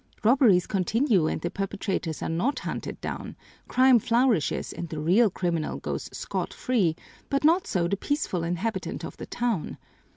Robberies continue and the perpetrators are not hunted down; crime flourishes, and the real criminal goes scot free, but not so the peaceful inhabitant of the town.